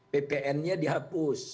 ppn nya dihapus